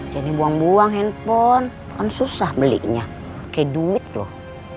buang buang handphone kan susah belinya kayak duit loh